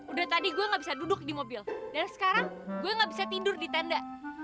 udah tadi gue gak bisa duduk di mobil dan sekarang gue gak bisa tidur di tenda